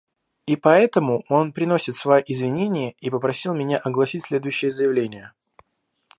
И поэтому он приносит свои извинения и попросил меня огласить следующее заявление.